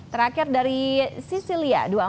terakhir dari sicilia dua puluh empat